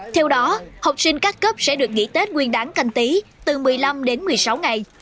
theo đó học sinh các cấp sẽ được nghỉ tết nguyên đáng canh tí từ một mươi năm đến một mươi sáu ngày